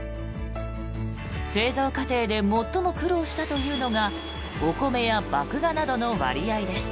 製造過程で最も苦労したというのがお米や麦芽などの割合です。